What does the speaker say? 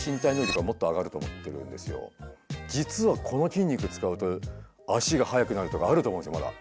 実はこの筋肉使うと足が速くなるとかあると思うんですよまだ。